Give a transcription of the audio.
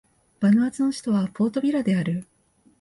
バヌアツの首都はポートビラである